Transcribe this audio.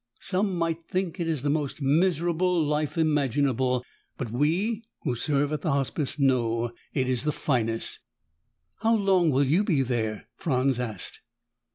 Some might think it the most miserable life imaginable, but we who serve at the Hospice know it is the finest!" "How long will you be there?" Franz asked.